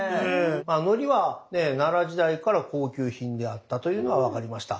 まあのりは奈良時代から高級品であったというのは分かりました。